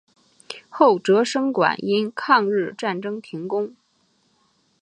后哲生馆因抗日战争停工。